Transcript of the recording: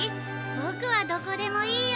ボクはどこでもいいよ。